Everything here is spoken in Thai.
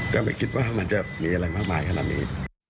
ก็ไม่คิดว่ามันจะมีอะไรมากมายขนาดนี้